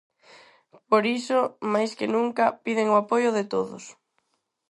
Por iso, máis que nunca, piden o apoio de todos.